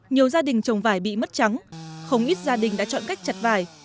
nhiều gia đình trồng vải bị mất trắng không ít gia đình đã chọn cách chặt vải